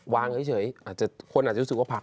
วางเฉยอาจจะคนอาจจะรู้สึกว่าผัก